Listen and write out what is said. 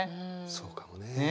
そうかもね。